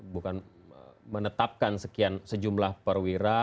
bukan menetapkan sekian sejumlah perwira